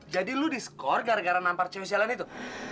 jadi lo diskor gara gara nampar cewek cewek lainnya itu